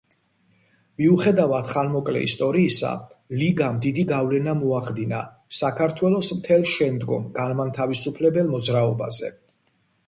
მიუხედავად ხანმოკლე ისტორიისა, ლიგამ დიდი გავლენა მოახდინა საქართველოს მთელ შემდგომ განმათავისუფლებელ მოძრაობაზე.